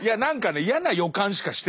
嫌な予感しかしてない。